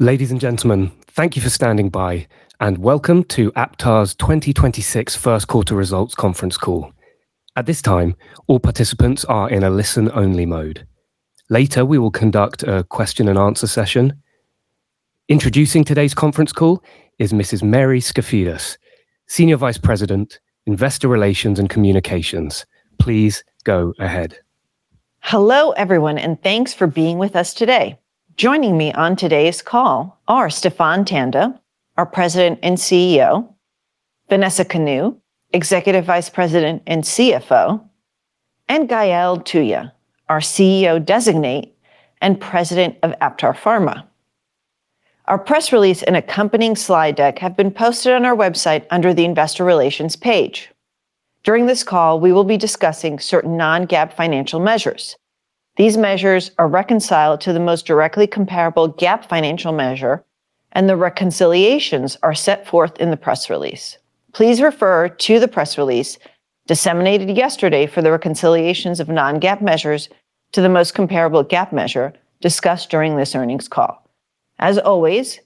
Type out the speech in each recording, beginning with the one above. Ladies and gentlemen, thank you for standing by and welcome to Aptar's 2026 first quarter results conference call. At this time, all participants are in a listen-only mode. Later, we will conduct a question and answer session. Introducing today's conference call is Mrs. Mary Skafidas, Senior Vice President, Investor Relations and Communications. Please go ahead. Hello, everyone, and thanks for being with us today. Joining me on today's call are Stephan Tanda, our President and Chief Executive Officer, Vanessa Kanu, Executive Vice President and Chief Financial Officer, and Gael Touya, our Chief Executive Officer Designate and President of Aptar Pharma. Our press release and accompanying slide deck have been posted on our website under the Investor Relations page. During this call, we will be discussing certain non-GAAP financial measures. These measures are reconciled to the most directly comparable GAAP financial measure and the reconciliations are set forth in the press release. Please refer to the press release disseminated yesterday for the reconciliations of non-GAAP measures to the most comparable GAAP measure discussed during this earnings call. As always,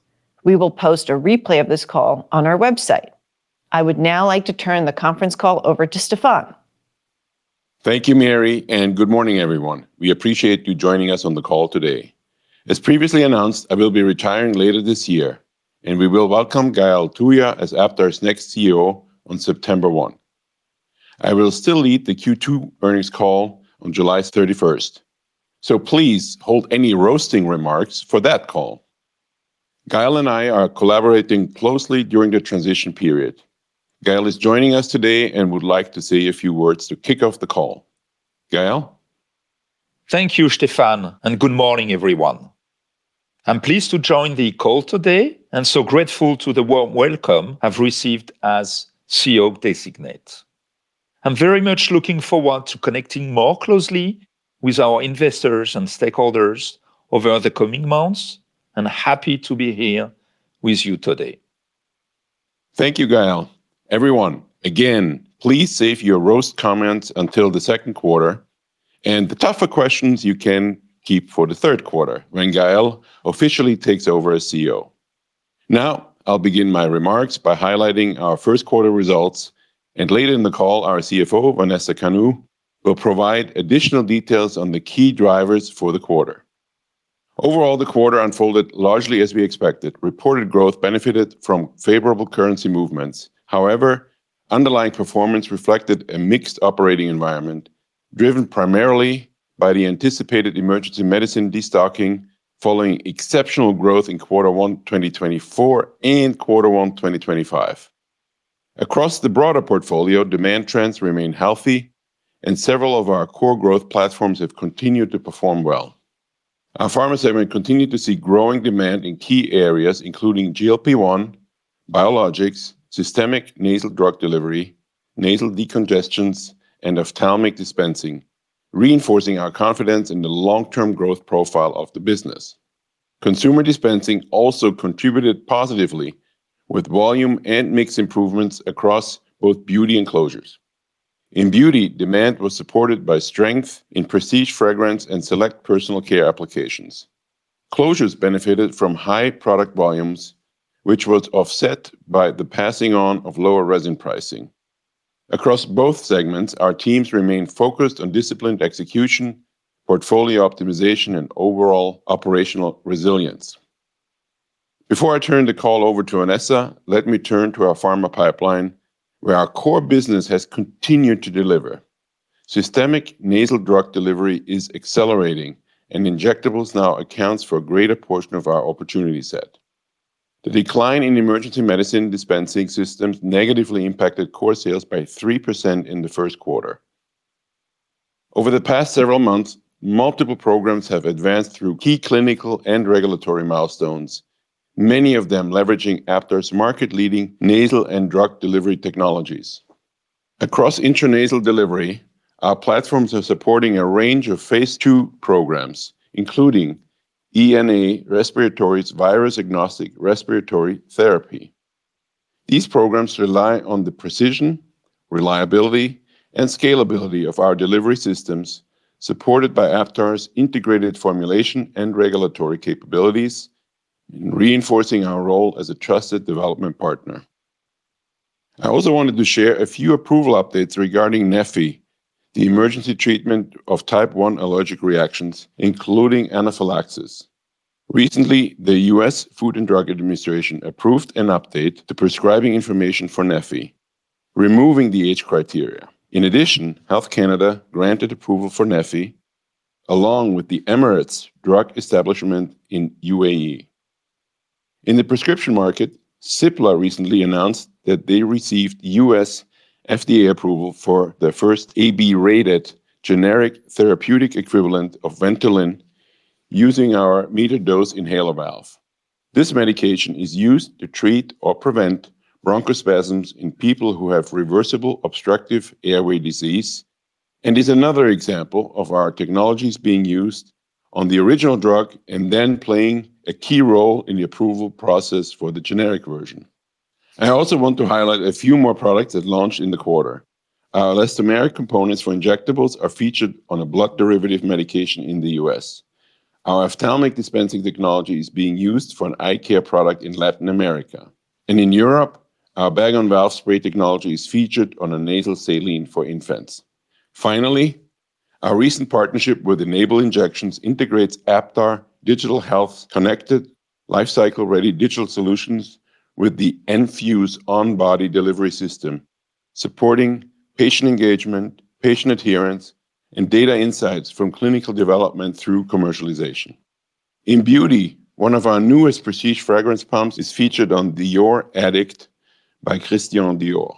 we will post a replay of this call on our website. I would now like to turn the conference call over to Stephan. Thank you, Mary, good morning, everyone. We appreciate you joining us on the call today. As previously announced, I will be retiring later this year, and we will welcome Gael Touya as Aptar's next CEO on September 1. I will still lead the Q2 earnings call on July 31st. Please hold any roasting remarks for that call. Gael and I are collaborating closely during the transition period. Gael is joining us today and would like to say a few words to kick off the call. Gael? Thank you, Stephan. Good morning, everyone. I'm pleased to join the call today. So grateful to the warm welcome I've received as CEO Designate. I'm very much looking forward to connecting more closely with our investors and stakeholders over the coming months. Happy to be here with you today. Thank you, Gael. Everyone, again, please save your roast comments until the second quarter and the tougher questions you can keep for the third quarter when Gael officially takes over as CEO. I'll begin my remarks by highlighting our first quarter results, and later in the call, our CFO, Vanessa Kanu, will provide additional details on the key drivers for the quarter. Overall, the quarter unfolded largely as we expected. Reported growth benefited from favorable currency movements. However, underlying performance reflected a mixed operating environment, driven primarily by the anticipated emergency medicine destocking following exceptional growth in quarter one 2024 and quarter one 2025. Across the broader portfolio, demand trends remain healthy and several of our core growth platforms have continued to perform well. Our pharma segment continued to see growing demand in key areas, including GLP-1, biologics, systemic nasal drug delivery, nasal decongestants, and ophthalmic dispensing, reinforcing our confidence in the long-term growth profile of the business. Consumer dispensing also contributed positively with volume and mix improvements across both beauty and closures. In beauty, demand was supported by strength in prestige fragrance and select personal care applications. Closures benefited from high product volumes, which was offset by the passing on of lower resin pricing. Across both segments, our teams remain focused on disciplined execution, portfolio optimization, and overall operational resilience. Before I turn the call over to Vanessa, let me turn to our pharma pipeline, where our core business has continued to deliver. Systemic nasal drug delivery is accelerating, and injectables now accounts for a greater portion of our opportunity set. The decline in emergency medicine dispensing systems negatively impacted core sales by 3% in the first quarter. Over the past several months, multiple programs have advanced through key clinical and regulatory milestones, many of them leveraging Aptar's market-leading nasal and drug delivery technologies. Across intranasal delivery, our platforms are supporting a range of phase II programs, including Ena Respiratory's virus-agnostic respiratory therapy. These programs rely on the precision, reliability, and scalability of our delivery systems, supported by Aptar's integrated formulation and regulatory capabilities in reinforcing our role as a trusted development partner. I also wanted to share a few approval updates regarding Neffy, the emergency treatment of type one allergic reactions, including anaphylaxis. Recently, the U.S. Food and Drug Administration approved an update to prescribing information for Neffy, removing the age criteria. In addition, Health Canada granted approval for Neffy, along with the Emirates Drug Establishment in UAE. In the prescription market, Cipla recently announced that they received U.S. FDA approval for their first AB-rated generic therapeutic equivalent of Ventolin using our metered dose inhaler valve. This medication is used to treat or prevent bronchospasms in people who have reversible obstructive airway disease and is another example of our technologies being used on the original drug and then playing a key role in the approval process for the generic version. I also want to highlight a few more products that launched in the quarter. Our elastomeric components for injectables are featured on a blood derivative medication in the U.S. Our ophthalmic dispensing technology is being used for an eye care product in Latin America. In Europe, our bag-on-valve spray technology is featured on a nasal saline for infants. Finally, our recent partnership with Enable Injections integrates Aptar Digital Health's connected lifecycle-ready digital solutions with the enFuse on-body delivery system, supporting patient engagement, patient adherence, and data insights from clinical development through commercialization. In beauty, one of our newest prestige fragrance pumps is featured on Dior Addict by Christian Dior.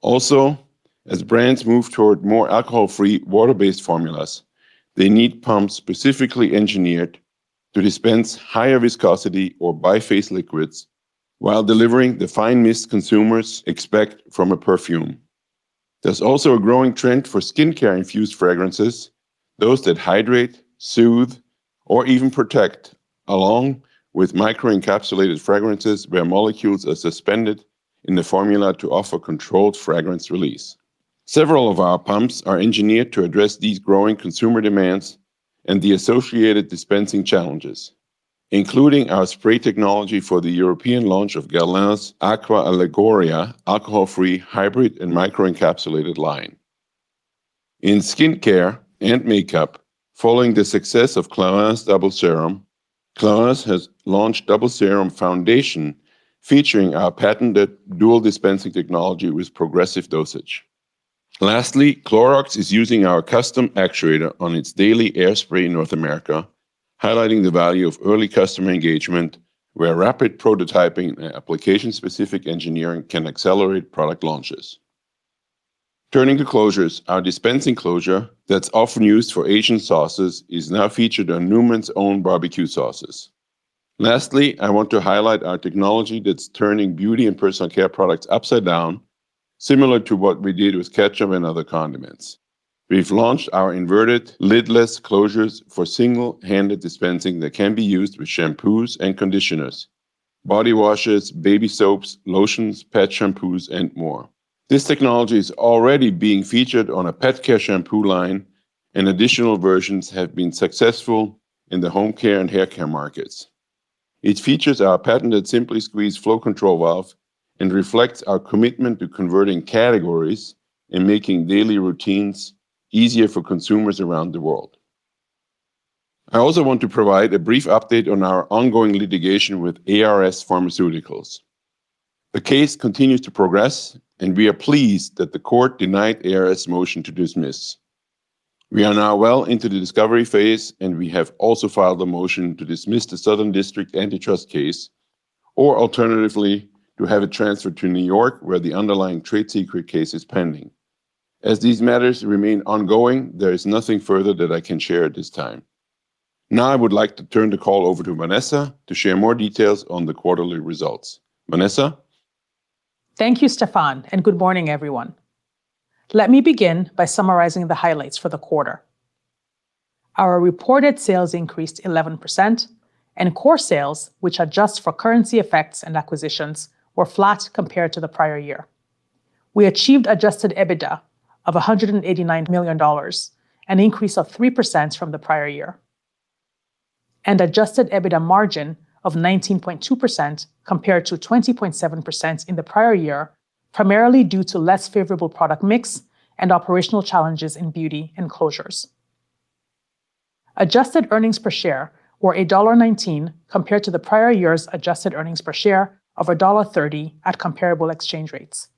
Also, as brands move toward more alcohol-free water-based formulas, they need pumps specifically engineered to dispense higher viscosity or bi-phase liquids while delivering the fine mist consumers expect from a perfume. There's also a growing trend for skincare infused fragrances, those that hydrate, soothe, or even protect, along with microencapsulated fragrances where molecules are suspended in the formula to offer controlled fragrance release. Several of our pumps are engineered to address these growing consumer demands and the associated dispensing challenges, including our spray technology for the European launch of Guerlain's Aqua Allegoria alcohol-free hybrid and microencapsulated line. In skincare and makeup, following the success of Clarins Double Serum, Clarins has launched Double Serum Foundation featuring our patented dual dispensing technology with progressive dosage. Lastly, Clorox is using our custom actuator on its daily airspray in North America, highlighting the value of early customer engagement, where rapid prototyping and application-specific engineering can accelerate product launches. Turning to closures, our dispensing closure that's often used for Asian sauces is now featured on Newman's Own barbecue sauces. Lastly, I want to highlight our technology that's turning beauty and personal care products upside down, similar to what we did with ketchup and other condiments. We've launched our inverted lidless closures for single-handed dispensing that can be used with shampoos and conditioners, body washes, baby soaps, lotions, pet shampoos, and more. This technology is already being featured on a pet care shampoo line. Additional versions have been successful in the home care and haircare markets. It features our patented SimpliSqueeze flow control valve and reflects our commitment to converting categories and making daily routines easier for consumers around the world. I also want to provide a brief update on our ongoing litigation with ARS Pharmaceuticals. The case continues to progress, and we are pleased that the court denied ARS' motion to dismiss. We are now well into the discovery phase, and we have also filed a motion to dismiss the Southern District antitrust case or alternatively, to have it transferred to New York, where the underlying trade secret case is pending. As these matters remain ongoing, there is nothing further that I can share at this time. I would like to turn the call over to Vanessa to share more details on the quarterly results. Vanessa? Thank you, Stephan, and good morning, everyone. Let me begin by summarizing the highlights for the quarter. Our reported sales increased 11% and core sales, which adjust for currency effects and acquisitions, were flat compared to the prior year. We achieved adjusted EBITDA of $189 million, an increase of 3% from the prior year, and adjusted EBITDA margin of 19.2% compared to 20.7% in the prior year, primarily due to less favorable product mix and operational challenges in Beauty and Closures. Adjusted earnings per share were $1.19 compared to the prior year's adjusted earnings per share of $1.30 at comparable exchange rates.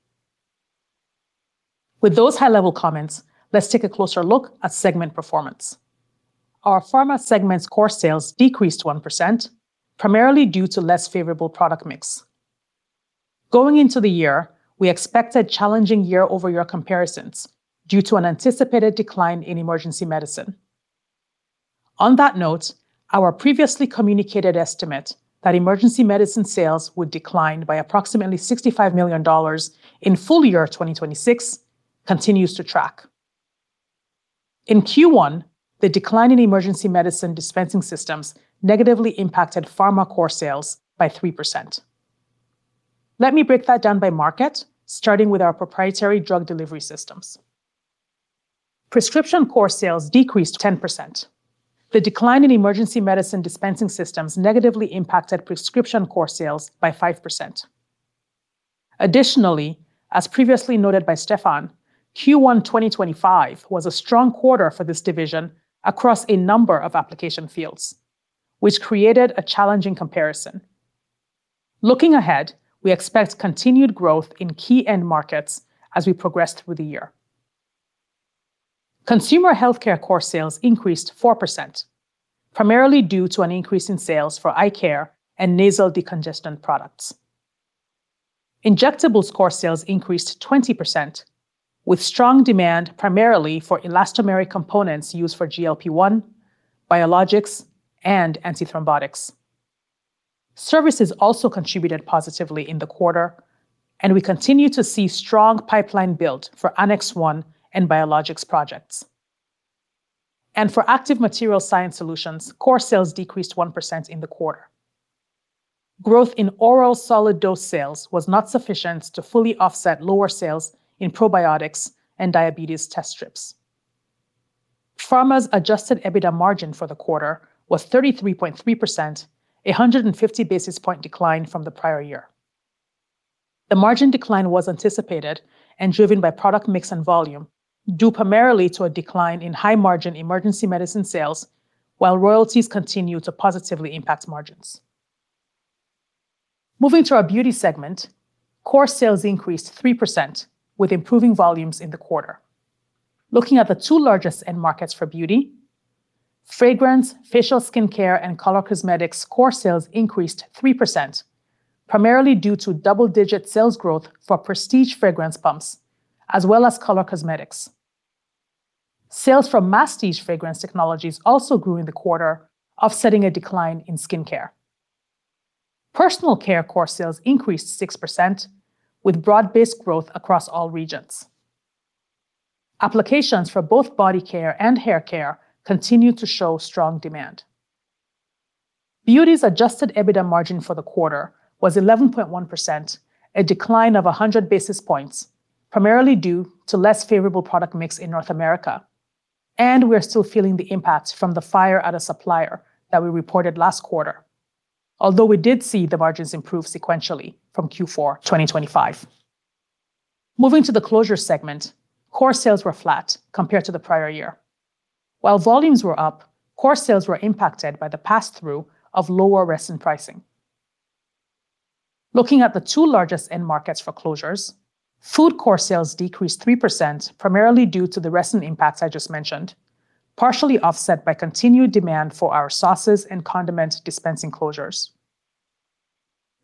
With those high-level comments, let's take a closer look at segment performance. Our Pharma segment's core sales decreased 1%, primarily due to less favorable product mix. Going into the year, we expect a challenging year-over-year comparisons due to an anticipated decline in emergency medicine. On that note, our previously communicated estimate that emergency medicine sales would decline by approximately $65 million in full year 2026 continues to track. In Q1, the decline in emergency medicine dispensing systems negatively impacted Pharma core sales by 3%. Let me break that down by market, starting with our proprietary drug delivery systems. Prescription core sales decreased 10%. The decline in emergency medicine dispensing systems negatively impacted prescription core sales by 5%. Additionally, as previously noted by Stephan, Q1 2025 was a strong quarter for this division across a number of application fields, which created a challenging comparison. Looking ahead, we expect continued growth in key end markets as we progress through the year. Consumer healthcare core sales increased 4%, primarily due to an increase in sales for eye care and nasal decongestant products. Injectables core sales increased 20%, with strong demand primarily for elastomeric components used for GLP-1, biologics, and antithrombotics. Services also contributed positively in the quarter, and we continue to see strong pipeline build for Annex 1 and biologics projects. For active material science solutions, core sales decreased 1% in the quarter. Growth in oral solid dose sales was not sufficient to fully offset lower sales in probiotics and diabetes test strips. Pharma's adjusted EBITDA margin for the quarter was 33.3%, a 150 basis point decline from the prior year. The margin decline was anticipated and driven by product mix and volume, due primarily to a decline in high-margin emergency medicine sales, while royalties continue to positively impact margins. Moving to our Beauty segment, core sales increased 3% with improving volumes in the quarter. Looking at the two largest end markets for Beauty, fragrance, facial skincare, and color cosmetics core sales increased 3%, primarily due to double-digit sales growth for prestige fragrance pumps as well as color cosmetics. Sales from Masstige fragrance technologies also grew in the quarter, offsetting a decline in skincare. Personal care core sales increased 6% with broad-based growth across all regions. Applications for both body care and hair care continue to show strong demand. Beauty's adjusted EBITDA margin for the quarter was 11.1%, a decline of 100 basis points, primarily due to less favorable product mix in North America. We are still feeling the impact from the fire at a supplier that we reported last quarter. Although we did see the margins improve sequentially from Q4 2025. Moving to the closure segment, core sales were flat compared to the prior year. While volumes were up, core sales were impacted by the pass-through of lower resin pricing. Looking at the two largest end markets for closures, food core sales decreased 3% primarily due to the resin impacts I just mentioned, partially offset by continued demand for our sauces and condiment dispensing closures.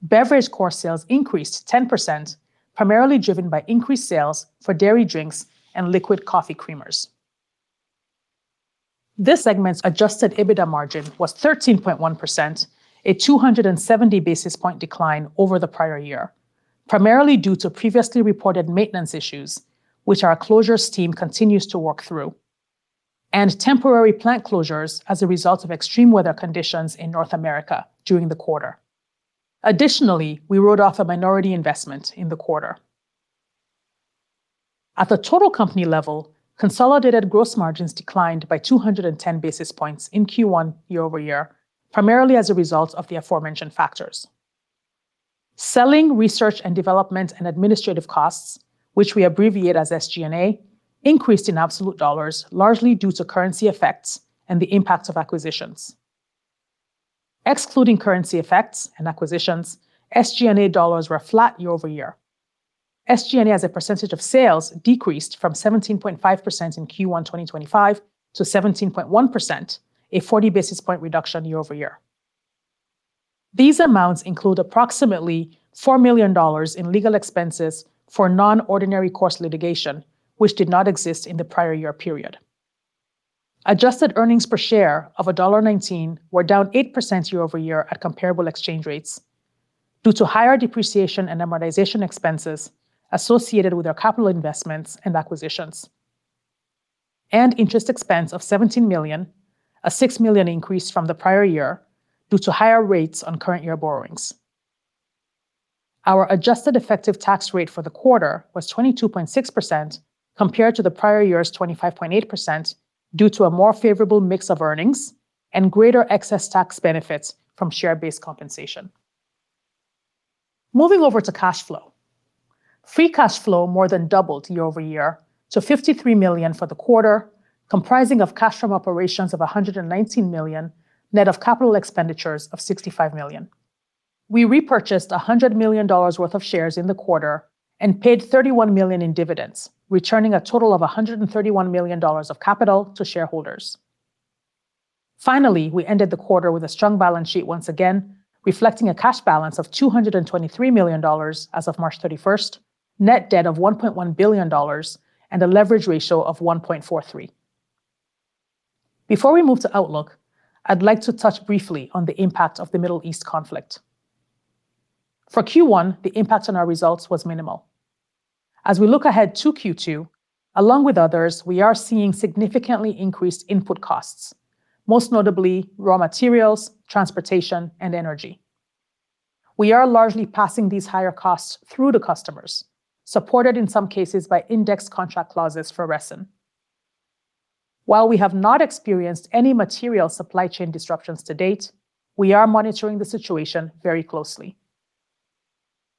Beverage core sales increased 10%, primarily driven by increased sales for dairy drinks and liquid coffee creamers. This segment's adjusted EBITDA margin was 13.1%, a 270 basis point decline over the prior year, primarily due to previously reported maintenance issues, which our closures team continues to work through, and temporary plant closures as a result of extreme weather conditions in North America during the quarter. Additionally, we wrote off a minority investment in the quarter. At the total company level, consolidated gross margins declined by 210 basis points in Q1 year-over-year, primarily as a result of the aforementioned factors. Selling, research and development, and administrative costs, which we abbreviate as SG&A, increased in absolute dollars, largely due to currency effects and the impact of acquisitions. Excluding currency effects and acquisitions, SG&A dollars were flat year-over-year. SG&A as a percentage of sales decreased from 17.5% in Q1 2025 to 17.1%, a 40 basis point reduction year-over-year. These amounts include approximately $4 million in legal expenses for non-ordinary course litigation, which did not exist in the prior year period. Adjusted earnings per share of $1.19 were down 8% year-over-year at comparable exchange rates due to higher depreciation and amortization expenses associated with our capital investments and acquisitions, and interest expense of $17 million, a $6 million increase from the prior year due to higher rates on current year borrowings. Our adjusted effective tax rate for the quarter was 22.6% compared to the prior year's 25.8% due to a more favorable mix of earnings and greater excess tax benefits from share-based compensation. Moving over to cash flow. Free cash flow more than doubled year-over-year to $53 million for the quarter, comprising of cash from operations of $119 million, net of capital expenditures of $65 million. We repurchased $100 million worth of shares in the quarter and paid $31 million in dividends, returning a total of $131 million of capital to shareholders. Finally, we ended the quarter with a strong balance sheet once again, reflecting a cash balance of $223 million as of March 31st, net debt of $1.1 billion, and a leverage ratio of 1.43. Before we move to outlook, I'd like to touch briefly on the impact of the Middle East conflict. For Q1, the impact on our results was minimal. As we look ahead to Q2, along with others, we are seeing significantly increased input costs, most notably raw materials, transportation, and energy. We are largely passing these higher costs through to customers, supported in some cases by index contract clauses for resin. While we have not experienced any material supply chain disruptions to date, we are monitoring the situation very closely.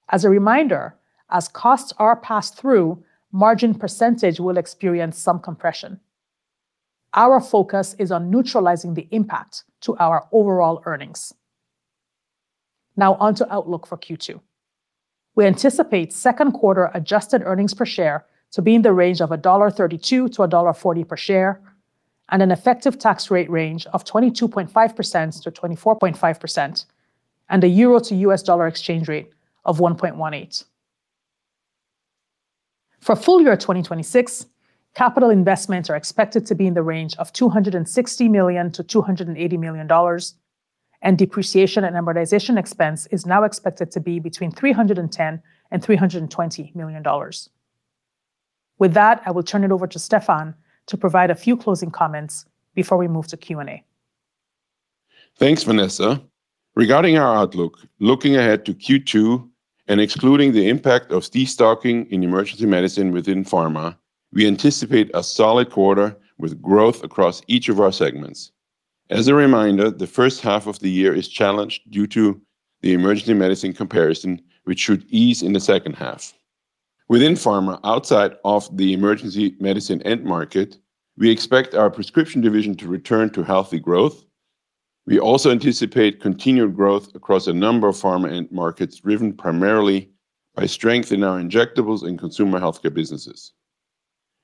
As a reminder, as costs are passed through, margin percentage will experience some compression. Our focus is on neutralizing the impact to our overall earnings. On to outlook for Q2. We anticipate second quarter adjusted earnings per share to be in the range of $1.32 to $1.40 per share, an effective tax rate range of 22.5% to 24.5%, and a EUR to USD exchange rate of 1.18. For full year 2026, capital investments are expected to be in the range of $260 to 280 million. Depreciation and amortization expense is now expected to be between $310 million and $320 million. With that, I will turn it over to Stephan to provide a few closing comments before we move to Q&A. Thanks, Vanessa. Regarding our outlook, looking ahead to Q2 and excluding the impact of destocking in emergency medicine within pharma, we anticipate a solid quarter with growth across each of our segments. As a reminder, the first half of the year is challenged due to the emergency medicine comparison, which should ease in the second half. Within pharma, outside of the emergency medicine end market, we expect our prescription division to return to healthy growth. We also anticipate continued growth across a number of pharma end markets, driven primarily by strength in our injectables and consumer healthcare businesses.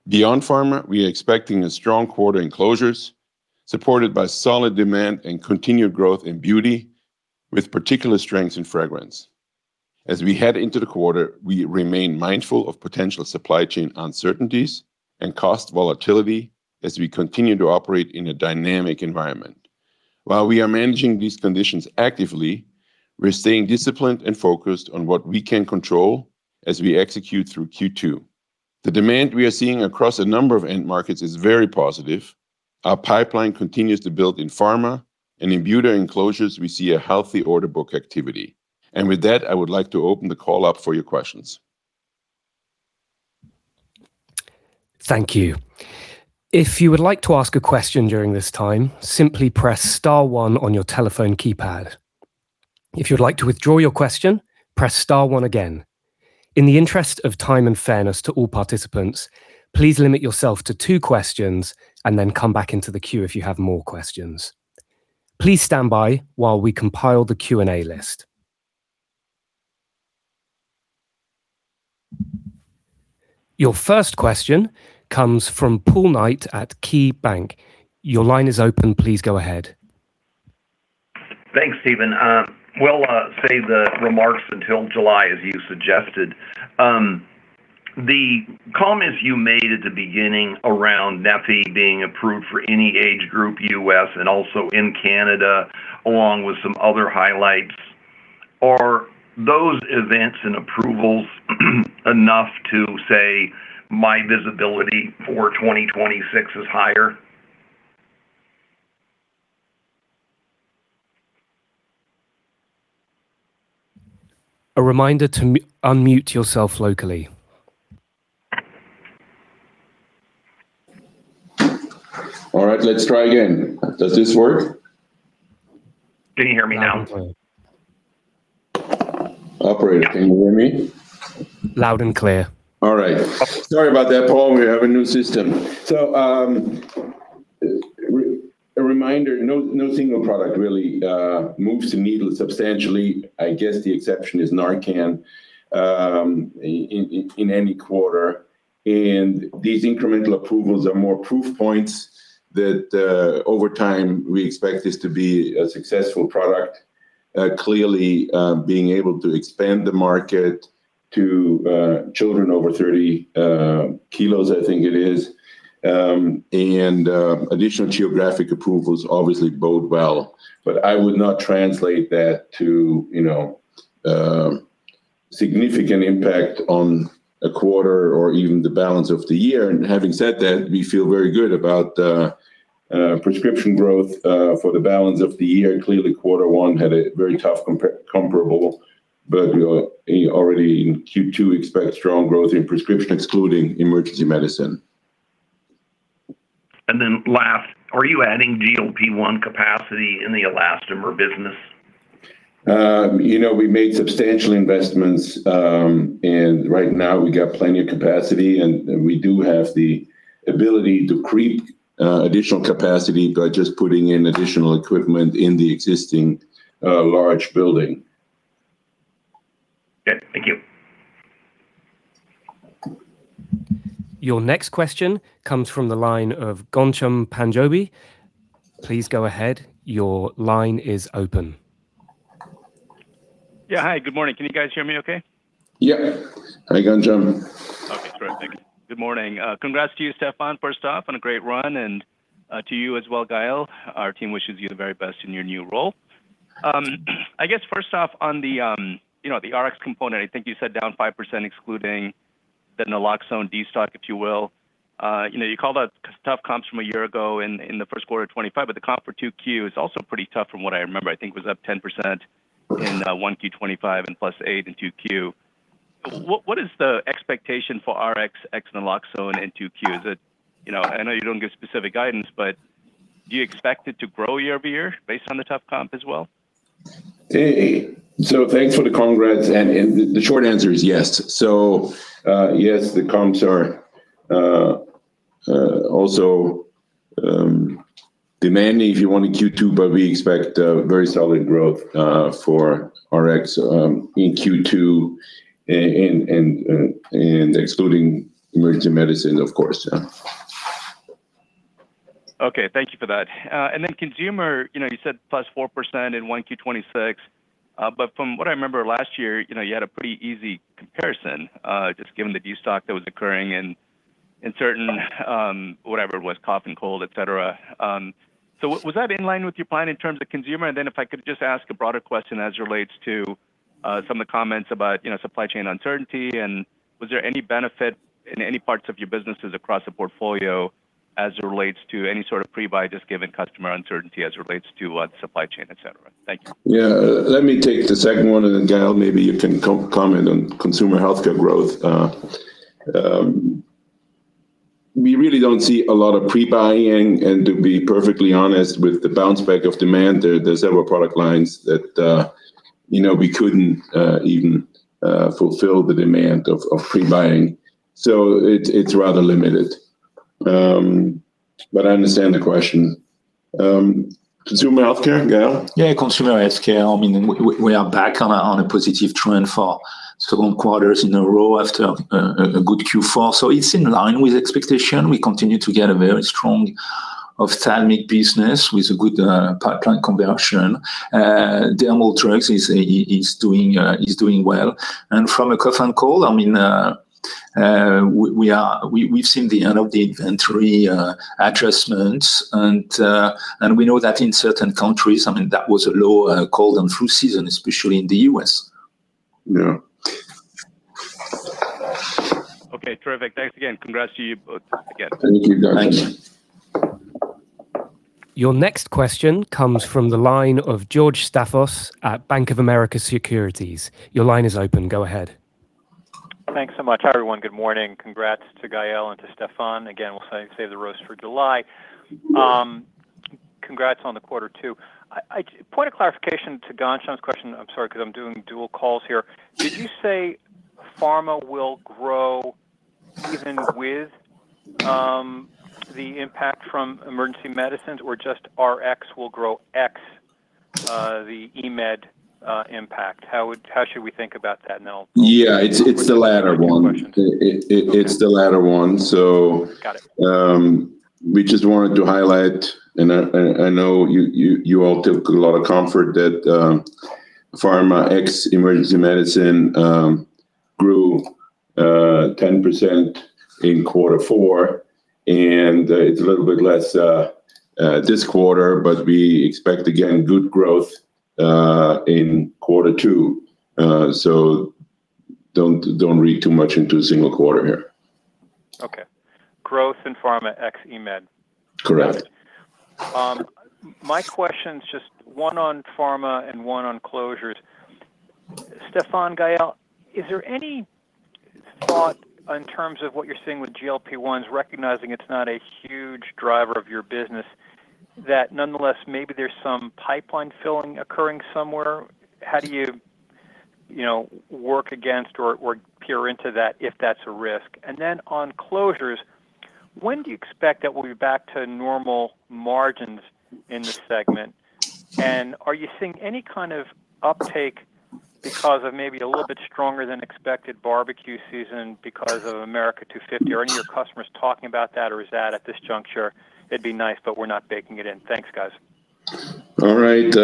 Beyond pharma, we are expecting a strong quarter in closures, supported by solid demand and continued growth in beauty, with particular strength in fragrance. As we head into the quarter, we remain mindful of potential supply chain uncertainties and cost volatility as we continue to operate in a dynamic environment. While we are managing these conditions actively, we're staying disciplined and focused on what we can control as we execute through Q2. The demand we are seeing across a number of end markets is very positive. Our pipeline continues to build in pharma, and in Beauty and Closures, we see a healthy order book activity. With that, I would like to open the call up for your questions. Thank you. If you would like to ask a question during this time, simply press star one on your telephone keypad. If you'd like to withdraw your question, press star one again. In the interest of time and fairness to all participants, please limit yourself to two questions and then come back into the queue if you have more questions. Please stand by while we compile the Q&A list. Your first question comes from Paul Knight at KeyBanc. Your line is open. Please go ahead. Thanks, Stephan. We'll save the remarks until July, as you suggested. The comments you made at the beginning around Neffy being approved for any age group U.S. and also in Canada, along with some other highlights, are those events and approvals enough to say, "My visibility for 2026 is higher"? A reminder to unmute yourself locally. All right, let's try again. Does this work? Can you hear me now? Operator, can you hear me? Loud and clear. All right. Sorry about that, Paul. We have a new system. A reminder, no single product really moves the needle substantially. I guess the exception is Narcan in any quarter. These incremental approvals are more proof points that over time we expect this to be a successful product. Clearly, being able to expand the market to children over 30 kilos, I think it is. And additional geographic approvals obviously bode well. I would not translate that to, you know, significant impact on a quarter or even the balance of the year. Having said that, we feel very good about prescription growth for the balance of the year. Clearly, Q1 had a very tough comparable, but we are already in Q2 expect strong growth in prescription, excluding emergency medicine. Last, are you adding GLP-1 capacity in the Elastomer business? You know, we made substantial investments, and right now we got plenty of capacity, and we do have the ability to create additional capacity by just putting in additional equipment in the existing large building. Okay. Thank you. Your next question comes from the line of Ghansham Panjabi. Please go ahead. Your line is open. Yeah. Hi, good morning. Can you guys hear me okay? Yeah. Hi, Ghansham. Okay. Terrific. Good morning. Congrats to you, Stephan, first off, on a great run and to you as well, Gael. Our team wishes you the very best in your new role. I guess first off on the, you know, the Rx component, I think you said down 5% excluding the naloxone destock, if you will. You know, you call that tough comps from a year ago in the first quarter 2025, but the comp for 2Q is also pretty tough from what I remember. I think it was up 10%. Mm-hmm... in 1Q 2025 and +8% in 2Q. What is the expectation for Rx ex naloxone in 2Q? You know, I know you don't give specific guidance, but do you expect it to grow year-over-year based on the tough comp as well? Thanks for the congrats, and the short answer is yes. Yes, the comps are also demanding if you want in Q2, but we expect very solid growth for Rx in Q2 and excluding emergency medicine, of course. Yeah. Okay. Thank you for that. Consumer, you know, you said plus 4% in 1Q 2026. From what I remember last year, you know, you had a pretty easy comparison, just given the destock that was occurring In certain, whatever it was, cough and cold, et cetera. Was that in line with your plan in terms of consumer? If I could just ask a broader question as relates to some of the comments about, you know, supply chain uncertainty, and was there any benefit in any parts of your businesses across the portfolio as it relates to any sort of pre-buy just given customer uncertainty as relates to supply chain, et cetera? Thank you. Yeah. Let me take the second one, and then Gael, maybe you can comment on consumer healthcare growth. We really don't see a lot of pre-buying, and to be perfectly honest, with the bounce back of demand, there's several product lines that, you know, we couldn't even fulfill the demand of pre-buying, so it's rather limited. I understand the question. Consumer healthcare, Gael? Yeah, consumer healthcare, I mean, we are back on a positive trend for some quarters in a row after a good Q4. It's in line with expectation. We continue to get a very strong ophthalmic business with a good pipeline conversion. Dermal drugs is doing well. From a cough and cold, I mean, we are, we've seen the end of the inventory adjustments, and we know that in certain countries, I mean, that was a low cold and flu season, especially in the U.S. Yeah. Okay. Terrific. Thanks again. Congrats to you both again. Thank you, Ghansham Panjabi. Thanks. Your next question comes from the line of George Staphos at Bank of America Securities. Your line is open. Go ahead. Thanks so much. Hi, everyone. Good morning. Congrats to Gael and to Stephan. Again, we'll save the roast for July. Congrats on the quarter too. I point of clarification to Ghansham's question, I'm sorry, 'cause I'm doing dual calls here. Did you say pharma will grow even with the impact from emergency medicines, or just RX will grow ex the eMed impact? How should we think about that? Then I'll- Yeah, it's the latter one. go to the closures question. It's the latter one. Got it. we just wanted to highlight, and I know you all took a lot of comfort that Pharma ex emergency medicine grew 10% in quarter four, and it's a little bit less this quarter, but we expect, again, good growth in quarter two. Don't read too much into a single quarter here. Okay. Growth in pharma ex eMed. Correct. Got it. My question's just one on pharma and one on closures. Stephan, Gael, is there any thought in terms of what you're seeing with GLP-1s, recognizing it's not a huge driver of your business, that nonetheless maybe there's some pipeline filling occurring somewhere? How do you know, work against or peer into that if that's a risk? Then on closures, when do you expect that we'll be back to normal margins in this segment? Are you seeing any kind of uptake because of maybe a little bit stronger than expected barbecue season because of America 250? Are any of your customers talking about that, or is that at this juncture, "It'd be nice, but we're not baking it in"? Thanks, guys. All right.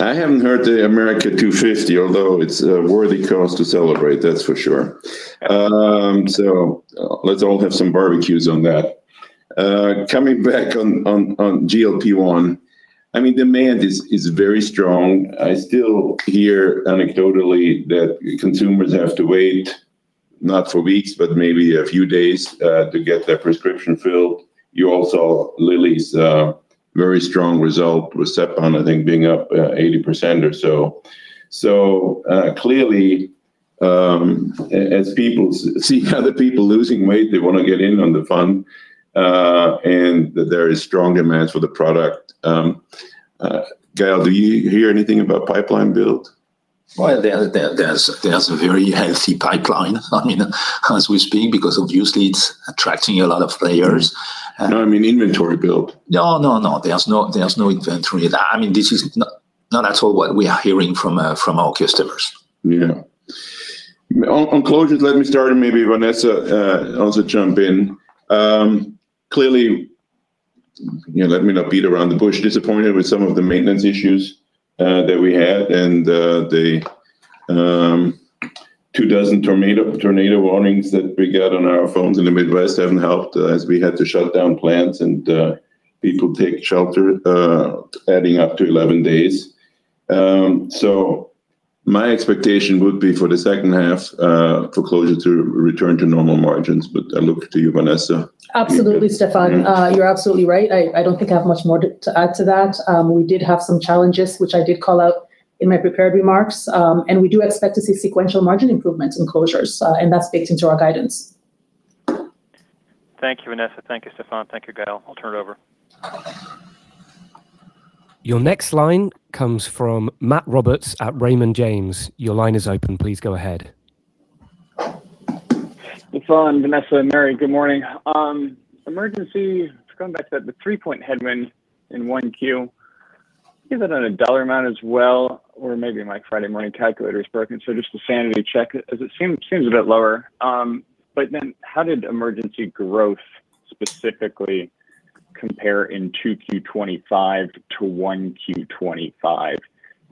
I haven't heard the America 250, although it's a worthy cause to celebrate, that's for sure. Let's all have some barbecues on that. Coming back on GLP-1, I mean, demand is very strong. I still hear anecdotally that consumers have to wait, not for weeks, but maybe a few days, to get their prescription filled. You all saw Lilly's very strong result with Zepbound, I think, being up 80% or so. Clearly, as people see other people losing weight, they wanna get in on the fun, and there is strong demand for the product. Gael, do you hear anything about pipeline build? Well, there's a very healthy pipeline, I mean, as we speak because obviously it's attracting a lot of players. No, I mean inventory build. No, no. There's no inventory there. I mean, this is not at all what we are hearing from our customers. On, on closures, let me start and maybe Vanessa, also jump in. Clearly, you know, let me not beat around the bush, disappointed with some of the maintenance issues that we had, and the two dozen tornado warnings that we got on our phones in the Midwest haven't helped, as we had to shut down plants and people take shelter, adding up to 11 days. My expectation would be for the second half, for closure to return to normal margins, but I look to you, Vanessa. Absolutely, Stephan. You're absolutely right. I don't think I have much more to add to that. We did have some challenges, which I did call out in my prepared remarks. We do expect to see sequential margin improvements in closures, and that's baked into our guidance. Thank you, Vanessa. Thank you, Stephan. Thank you, Gael. I'll turn it over. Your next line comes from Matt Roberts at Raymond James. Your line is open. Please go ahead. Stephan, Vanessa, and Mary, good morning. Emergency, just coming back to that, the 3-point headwind in 1Q, give that on a $ amount as well, or maybe my Friday morning calculator is broken, so just a sanity check, as it seems a bit lower. How did emergency growth specifically compare in 2Q 2025 to 1Q 2025?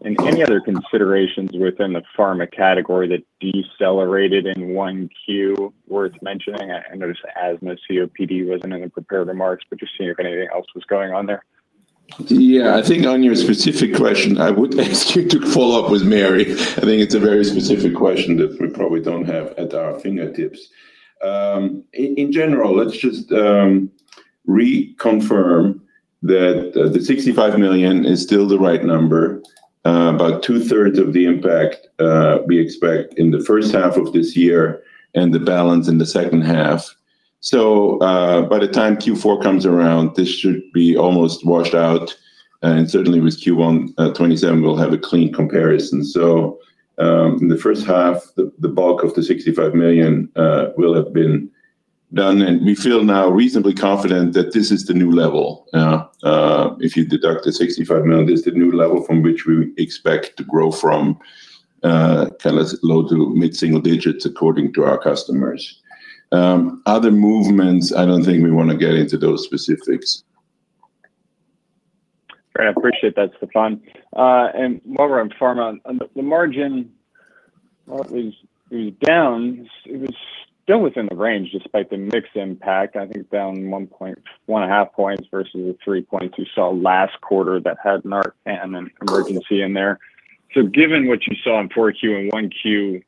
Any other considerations within the Pharma category that decelerated in 1Q worth mentioning? I noticed asthma, COPD wasn't in the prepared remarks, just seeing if anything else was going on there. I think on your specific question, I would ask you to follow up with Mary. I think it's a very specific question that we probably don't have at our fingertips. In general, let's just reconfirm that the $65 million is still the right number. About two-thirds of the impact, we expect in the first half of this year, and the balance in the second half. By the time Q4 comes around, this should be almost washed out, and certainly with Q1 2027, we'll have a clean comparison. In the first half, the bulk of the $65 million will have been done. We feel now reasonably confident that this is the new level. If you deduct the $65 million, this is the new level from which we expect to grow from, call it low to mid-single digits according to our customers. Other movements, I don't think we wanna get into those specifics. Great. I appreciate that, Stephan. While we're on pharma, the margin, while it was down, it was still within the range despite the mixed impact. I think down 1.5 points versus the 3 points we saw last quarter that had Narcan and emergency in there. Given what you saw in 4Q and 1Q,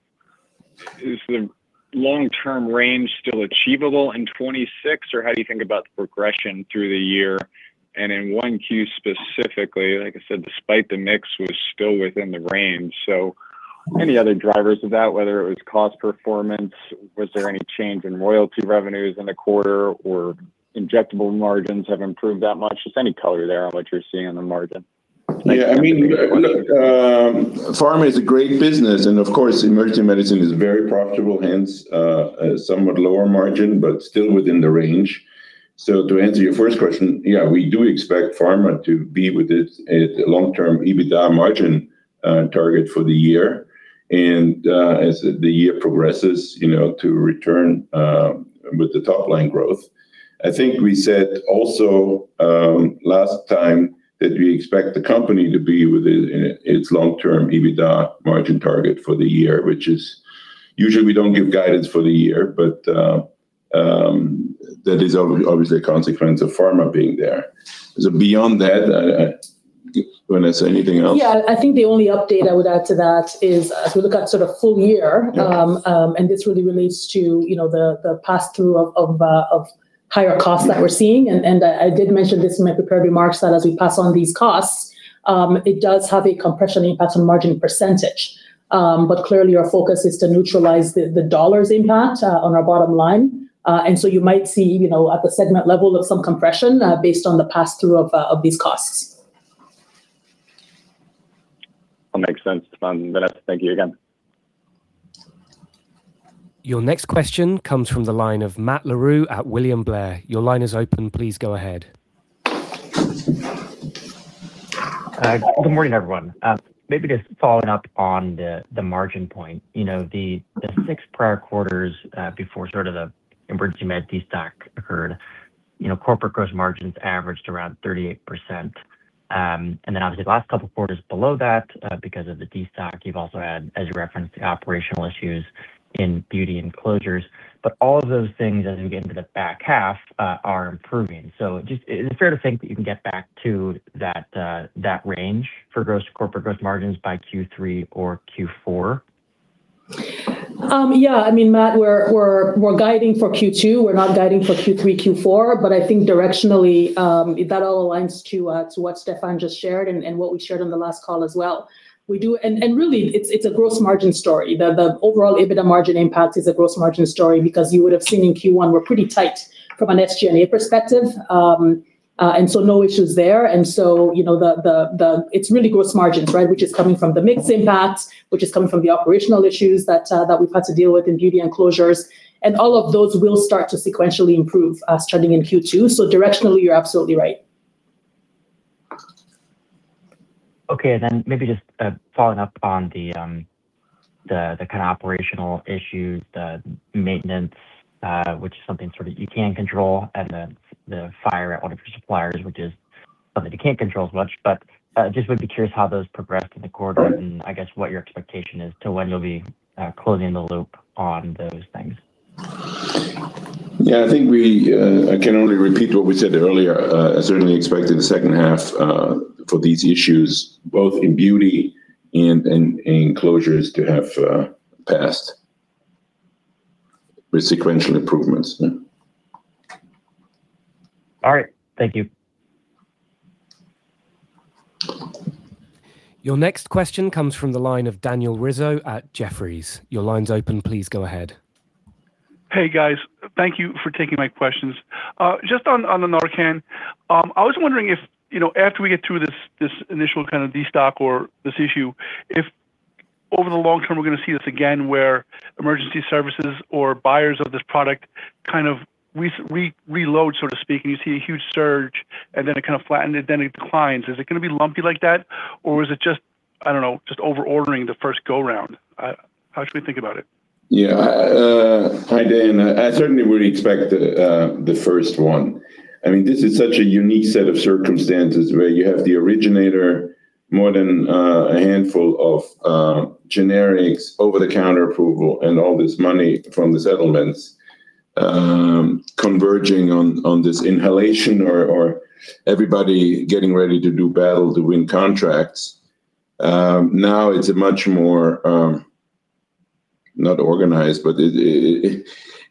is the long-term range still achievable in 2026? How do you think about the progression through the year? In 1Q specifically, like I said, despite the mix was still within the range. Any other drivers of that, whether it was cost performance, was there any change in royalty revenues in the quarter, or injectable margins have improved that much? Just any color there on what you're seeing on the margin. Yeah, I mean, look, Pharma is a great business and, of course, emergency medicine is very profitable, hence, a somewhat lower margin, but still within the range. To answer your first question, yeah, we do expect Pharma to be with its long-term EBITDA margin target for the year. As the year progresses, you know, to return with the top line growth. I think we said also last time that we expect the company to be within its long-term EBITDA margin target for the year, which is usually, we don't give guidance for the year, but that is obviously a consequence of Pharma being there. Beyond that, I wouldn't say anything else. Yeah. I think the only update I would add to that is as we look at sort of full year. Yeah this really relates to, you know, the pass-through of higher costs that we're seeing. I did mention this in my prepared remarks, that as we pass on these costs, it does have a compression impact on margin percentage. clearly our focus is to neutralize the dollars impact on our bottom line. you might see, you know, at the segment level of some compression, based on the pass-through of these costs. That makes sense, Vanessa. Thank you again. Your next question comes from the line of Matt Larew at William Blair. Your line is open. Please go ahead. Good morning, everyone. Maybe just following up on the margin point. You know, the six prior quarters, before sort of the emergency med destock occurred, you know, corporate gross margins averaged around 38%. And then obviously the last couple quarters below that, because of the destock, you've also had, as you referenced, the operational issues in beauty and closures. All of those things, as we get into the back half, are improving. Just is it fair to think that you can get back to that range for corporate gross margins by Q3 or Q4? Yeah. I mean, Matt, we're guiding for Q2. We're not guiding for Q3, Q4. I think directionally, that all aligns to what Stephan just shared and what we shared on the last call as well. Really it's a gross margin story. The overall EBITDA margin impact is a gross margin story because you would have seen in Q1 we're pretty tight from an SG&A perspective. No issues there. You know, it's really gross margins, right? Which is coming from the mix impact, which is coming from the operational issues that we've had to deal with in beauty and closures. All of those will start to sequentially improve starting in Q2. Directionally, you're absolutely right. Maybe just following up on the kind of operational issues, the maintenance, which is something sort of you can control, and the fire at one of your suppliers, which is something you can't control as much. Would be curious how those progressed in the quarter and I guess what your expectation is to when you'll be closing the loop on those things. Yeah. I can only repeat what we said earlier. I certainly expect in the second half for these issues, both in beauty and in closures to have passed with sequential improvements. All right. Thank you. Your next question comes from the line of Daniel Rizzo at Jefferies. Your line's open. Please go ahead. Hey, guys. Thank you for taking my questions. Just on the Narcan, I was wondering if, you know, after we get through this initial kind of destock or this issue, if over the long term we're gonna see this again where emergency services or buyers of this product kind of reload, so to speak, and you see a huge surge and then it kind of flattened and then it declines. Is it gonna be lumpy like that, or is it just, I don't know, just over-ordering the first go-round? How should we think about it? Yeah. Hi, Dan. I certainly would expect the first one. I mean, this is such a unique set of circumstances where you have the originator more than a handful of generics over-the-counter approval and all this money from the settlements converging on this inhalation or everybody getting ready to do battle to win contracts. Now it's a much more, not organized, but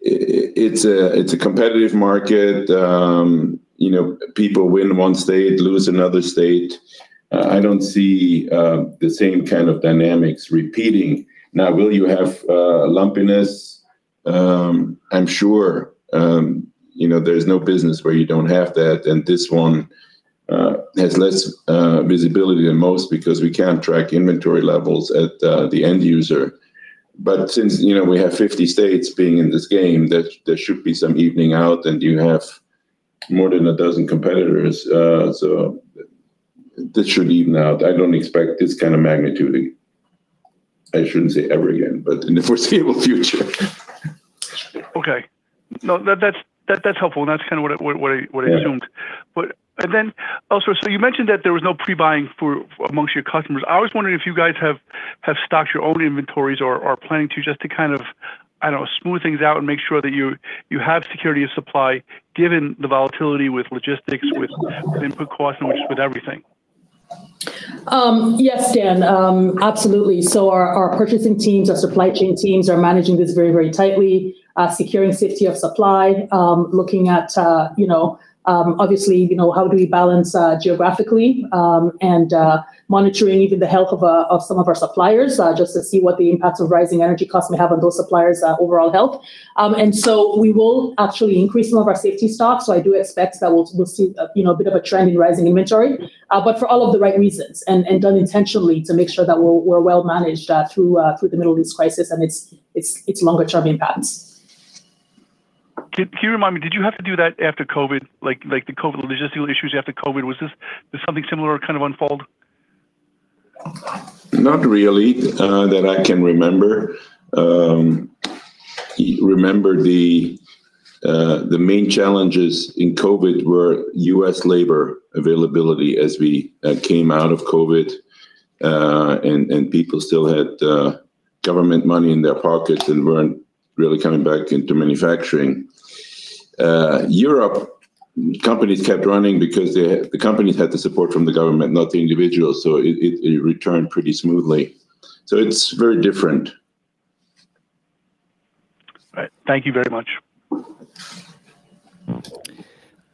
it's a competitive market. You know, people win one state, lose another state. I don't see the same kind of dynamics repeating. Now, will you have lumpiness? I'm sure. You know, there's no business where you don't have that, and this one has less visibility than most because we can't track inventory levels at the end user. Since, you know, we have 50 states being in this game, there should be some evening out, and you have more than 12 competitors. That should even out. I don't expect this kind of magnitude. I shouldn't say ever again, but in the foreseeable future. Okay. No, that's helpful, and that's kind of what I assumed. Yeah. You mentioned that there was no pre-buying for amongst your customers. I was wondering if you guys have stocked your own inventories or are planning to just to kind of, I don't know, smooth things out and make sure that you have security of supply given the volatility with logistics, with input costs, and with everything? Yes, Dan. Absolutely. Our purchasing teams, our supply chain teams are managing this very, very tightly. Securing safety of supply. Looking at, you know, obviously, you know, how do we balance geographically, and monitoring even the health of some of our suppliers, just to see what the impacts of rising energy costs may have on those suppliers' overall health. We will actually increase some of our safety stocks. I do expect that we'll see, you know, a bit of a trend in rising inventory. For all of the right reasons and done intentionally to make sure that we're well managed through the middle of this crisis and its longer-term impacts. Can you remind me, did you have to do that after COVID, like the COVID logistical issues after COVID? Was this something similar kind of unfold? Not really, that I can remember. Remember the main challenges in COVID were U.S. labor availability as we came out of COVID, and people still had government money in their pockets and weren't really coming back into manufacturing. Europe, companies kept running because the companies had the support from the government, not the individuals. It returned pretty smoothly. It's very different. All right. Thank you very much.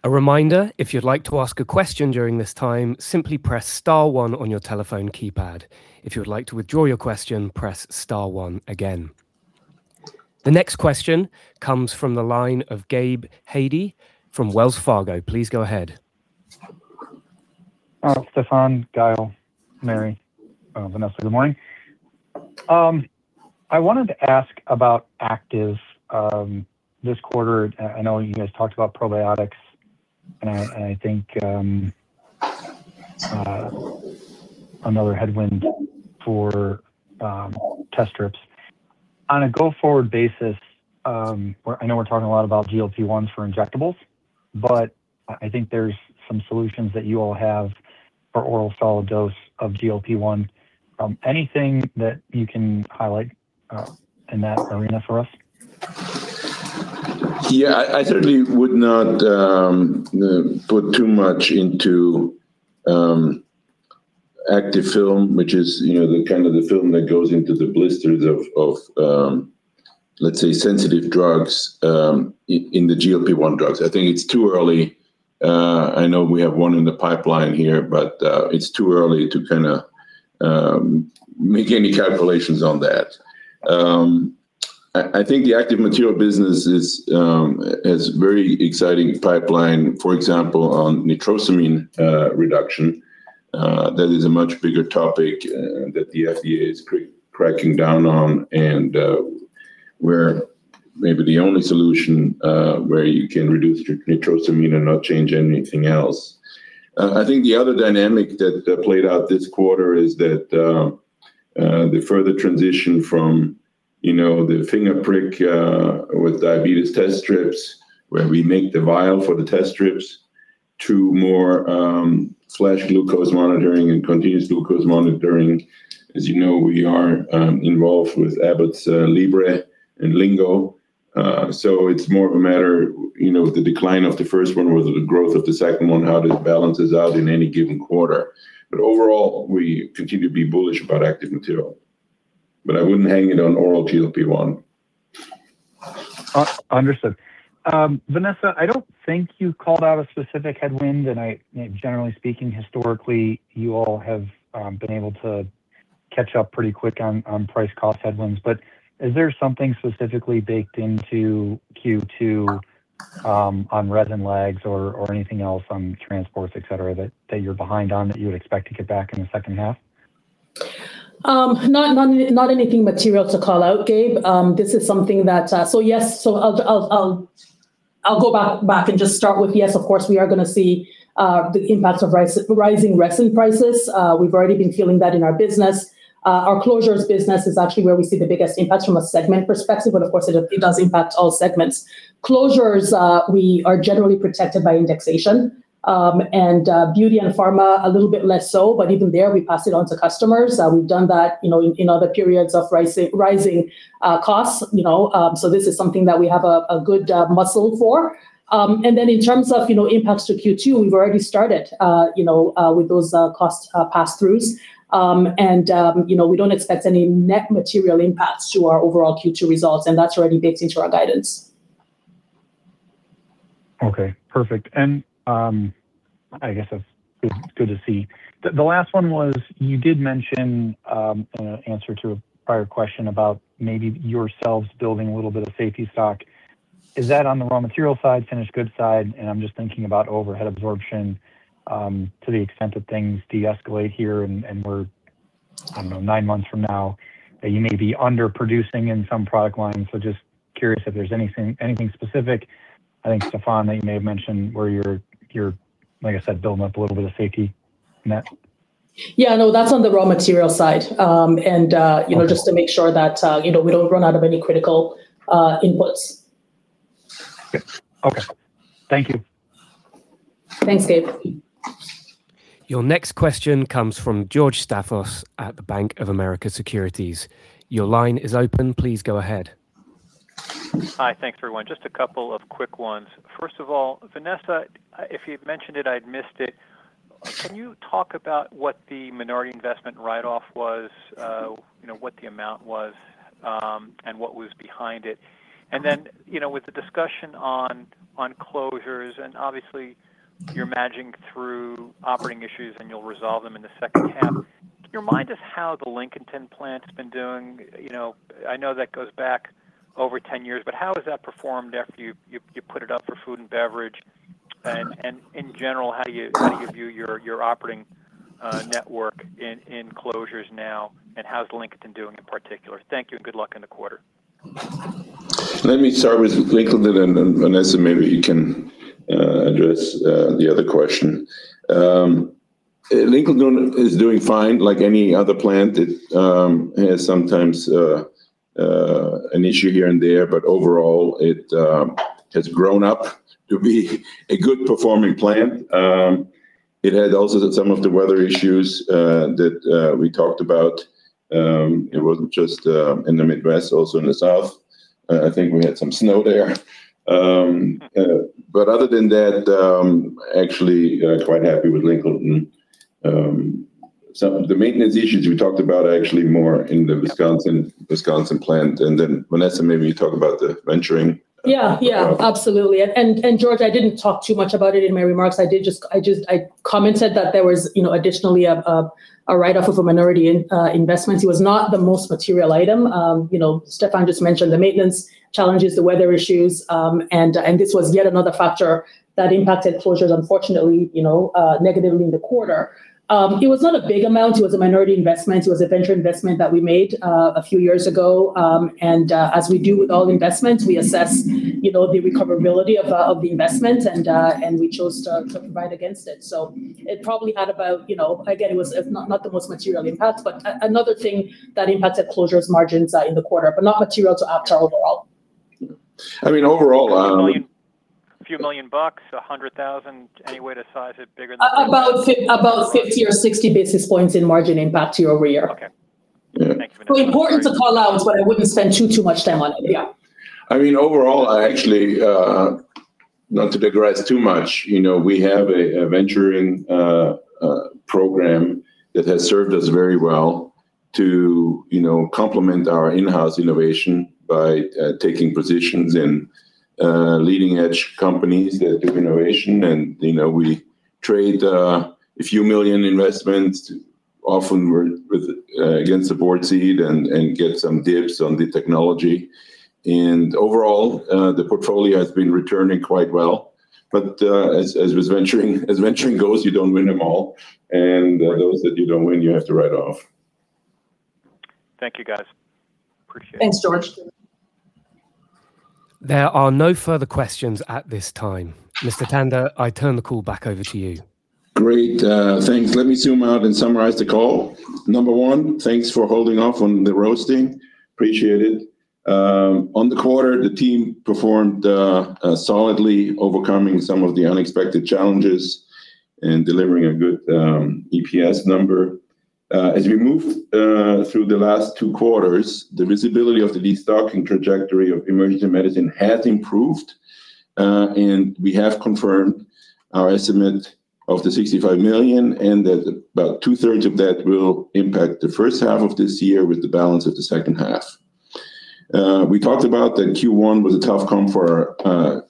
A reminder, if you'd like to ask a question during this time, simply press star one on your telephone keypad. If you would like to withdraw your question, press star one again. The next question comes from the line of Gabe Hajde from Wells Fargo. Please go ahead. Stephan, Gael, Mary, Vanessa, good morning. I wanted to ask about active this quarter. I know you guys talked about probiotics, and I think another headwind for test strips. On a go-forward basis, I know we're talking a lot about GLP-1 for injectables, but I think there's some solutions that you all have for oral solid dose of GLP-1. Anything that you can highlight in that arena for us? Yeah. I certainly would not put too much into active film, which is, you know, the kind of the film that goes into the blisters of, let's say, sensitive drugs, in the GLP-1 drugs. I think it's too early. I know we have one in the pipeline here, but it's too early to kinda make any calculations on that. I think the active material business is has very exciting pipeline. For example, on nitrosamine reduction, that is a much bigger topic that the FDA is cracking down on, and we're maybe the only solution where you can reduce your nitrosamine and not change anything else. I think the other dynamic that played out this quarter is that the further transition from, you know, the finger prick with diabetes test strips, where we make the vial for the test strips to more flash glucose monitoring and continuous glucose monitoring. As you know, we are involved with Abbott's Libre and Lingo. It's more of a matter, you know, the decline of the first one or the growth of the second one, how this balances out in any given quarter. Overall, we continue to be bullish about active material. I wouldn't hang it on oral GLP-1. Understood. Vanessa, I don't think you called out a specific headwind, and I, generally speaking, historically, you all have, been able to catch up pretty quick on price cost headwinds. Is there something specifically baked into Q2, on resin lags or anything else on transports, et cetera, that you're behind on that you would expect to get back in the second half? Not anything material to call out, Gabe. Yes, so I'll go back and just start with yes, of course, we are gonna see the impact of rising resin prices. We've already been feeling that in our business. Our closures business is actually where we see the biggest impact from a segment perspective, but of course it does impact all segments. Closures, we are generally protected by indexation. Beauty and pharma, a little bit less so, but even there we pass it on to customers. We've done that, you know, in other periods of rising costs, you know. This is something that we have a good muscle for. In terms of impacts to Q2, we've already started with those cost passthroughs. We don't expect any net material impacts to our overall Q2 results, and that's already baked into our guidance. Okay, perfect. I guess that's good to see. The last one was you did mention in an answer to a prior question about maybe yourselves building a little bit of safety stock. Is that on the raw material side, finished goods side? I'm just thinking about overhead absorption to the extent that things deescalate here and we're, I don't know, nine months from now, that you may be under-producing in some product lines. Just curious if there's anything specific. I think, Stephan, that you may have mentioned where you're, like I said, building up a little bit of safety net. Yeah, no, that's on the raw material side. You know, just to make sure that, you know, we don't run out of any critical inputs. Okay. Thank you. Thanks, Gabe. Your next question comes from George Staphos at the Bank of America Securities. Your line is open. Please go ahead. Hi. Thanks, everyone. Just a couple of quick ones. First of all, Vanessa, if you'd mentioned it, I'd missed it. Can you talk about what the minority investment write-off was? You know, what the amount was, and what was behind it. You know, with the discussion on closures, and obviously you're managing through operating issues and you'll resolve them in the second half. Can you remind us how the Lincolnton plant's been doing? You know, I know that goes back over 10 years, but how has that performed after you put it up for food and beverage? In general, how do you view your operating network in closures now, and how's Lincolnton doing in particular? Thank you, and good luck in the quarter. Let me start with Lincolnton and then, Vanessa, maybe you can address the other question. Lincolnton is doing fine. Like any other plant, it has sometimes an issue here and there, but overall, it has grown up to be a good performing plant. It had also some of the weather issues that we talked about. It wasn't just in the Midwest, also in the South. I think we had some snow there. Other than that, actually, quite happy with Lincolnton. Some of the maintenance issues we talked about are actually more in the Wisconsin plant. Vanessa, maybe you talk about the venturing. Yeah, yeah. Absolutely. George, I didn't talk too much about it in my remarks. I commented that there was, you know, additionally a write-off of a minority in investments. It was not the most material item. You know, Stephan just mentioned the maintenance challenges, the weather issues, and this was yet another factor that impacted closures unfortunately, you know, negatively in the quarter. It was not a big amount. It was a minority investment. It was a venture investment that we made a few years ago. As we do with all investments, we assess, you know, the recoverability of the investment, and we chose to provide against it. It probably had about, you know, again, it was not the most material impact, but another thing that impacted closures margins in the quarter, but not material to Aptar overall. I mean, overall, A few million, few million bucks, $100,000? Any way to size it bigger than? about 50 or 60 basis points in margin impact to your year. Okay. Thanks, Vanessa. important to call out, but I wouldn't spend too much time on it. Yeah. I mean, overall, I actually, not to digress too much, you know, we have a venturing program that has served us very well to, you know, complement our in-house innovation by taking positions in leading-edge companies that do innovation. You know, we trade a few million investments, often we're with against the board seat and get some dips on the technology. Overall, the portfolio has been returning quite well. As with venturing, as venturing goes, you don't win them all. Those that you don't win, you have to write off. Thank you, guys. Appreciate it. Thanks, George. There are no further questions at this time. Mr. Tanda, I turn the call back over to you. Great. Thanks. Let me zoom out and summarize the call. Number 1, thanks for holding off on the roasting. Appreciate it. On the quarter, the team performed solidly, overcoming some of the unexpected challenges and delivering a good EPS number. As we move through the last two quarters, the visibility of the destocking trajectory of emergency medicine has improved, and we have confirmed our estimate of the $65 million, and that about two-thirds of that will impact the first half of this year with the balance of the second half. We talked about that Q1 was a tough comp for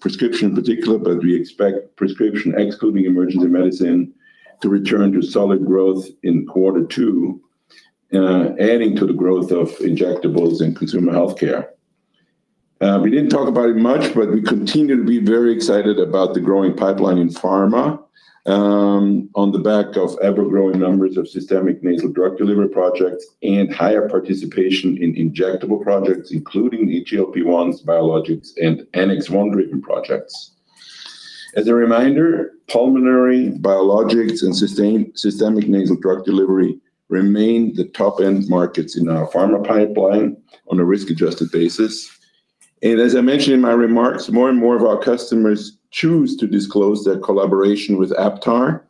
prescription in particular, but we expect prescription, excluding emergency medicine, to return to solid growth in quarter two, adding to the growth of injectables and consumer healthcare. We didn't talk about it much, but we continue to be very excited about the growing pipeline in Pharma on the back of ever-growing numbers of systemic nasal drug delivery projects and higher participation in injectable projects, including GLP-1s, biologics, and Annex 1 driven projects. As a reminder, pulmonary biologics and systemic nasal drug delivery remain the top-end markets in our Pharma pipeline on a risk-adjusted basis. As I mentioned in my remarks, more and more of our customers choose to disclose their collaboration with Aptar,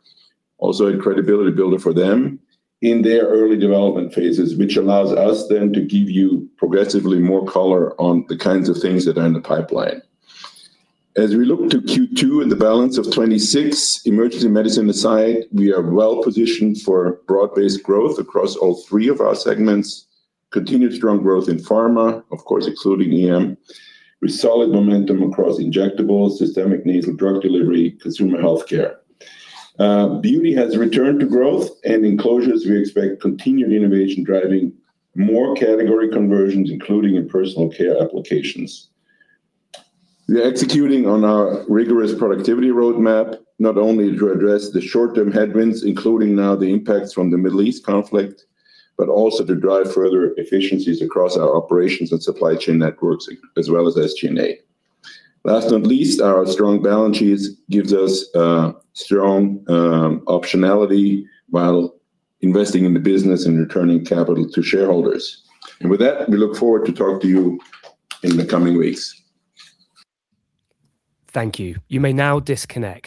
also a credibility builder for them, in their early development phases, which allows us then to give you progressively more color on the kinds of things that are in the pipeline. As we look to Q2 and the balance of 2026, emergency medicine aside, we are well positioned for broad-based growth across all three of our segments. Continued strong growth in pharma, of course, excluding EM, with solid momentum across injectables, systemic nasal drug delivery, consumer healthcare. Beauty has returned to growth. In closures we expect continued innovation driving more category conversions, including in personal care applications. We're executing on our rigorous productivity roadmap, not only to address the short-term headwinds, including now the impacts from the Middle East conflict, but also to drive further efficiencies across our operations and supply chain networks, as well as SG&A. Last but not least, our strong balance sheets gives us strong optionality while investing in the business and returning capital to shareholders. With that, we look forward to talk to you in the coming weeks. Thank you. You may now disconnect.